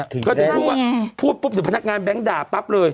ก็จะพูดว่าพูดถึงพนักงานแบงก์ด่าปั๊บเลย